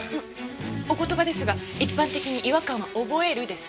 お言葉ですが一般的に違和感は「覚える」です。